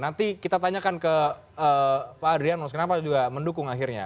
nanti kita tanyakan ke pak adrianus kenapa juga mendukung akhirnya